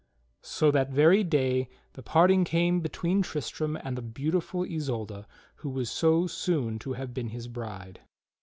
So that very day the parting came between Tristram and the beautiful Isolda who was so soon to have been his bride.